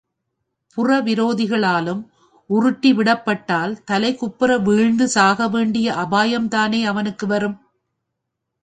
புறவிரோதிகளாலும் உருட்டி விடப்பட்டால் தலைகுப்புற வீழ்ந்து சாகவேண்டிய அபாயம் தானே அவனுக்கு வரும்.